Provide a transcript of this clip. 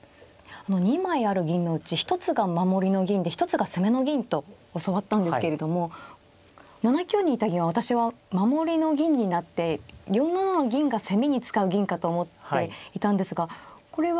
２枚ある銀のうち一つが守りの銀で一つが攻めの銀と教わったんですけれども７九にいた銀は私は守りの銀になって４七の銀が攻めに使う銀かと思っていたんですがこれは。